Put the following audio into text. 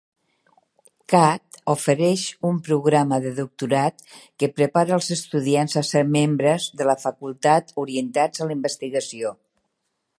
Katz ofereix un programa de doctorat que prepara els estudiants a ser membres de la facultat orientats a la investigació.